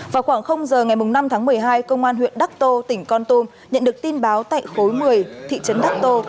vào khoảng giờ ngày năm tháng một mươi hai công an huyện đắc tô tỉnh con tum nhận được tin báo tại khối một mươi thị trấn đắc tô